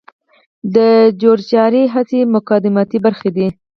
د جور جارې هڅې مقدماتي برخي دي.